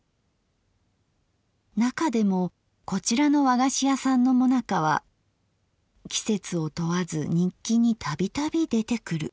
中でもこちらの和菓子屋さんのもなかは季節を問わず日記に度々出てくる。